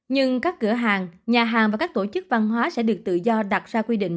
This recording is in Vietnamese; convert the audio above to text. nhưng các cửa hàng nhà hàng và các tổ chức văn hóa sẽ được tự do đặt ra quy định